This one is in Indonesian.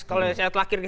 kalau saya telah kirim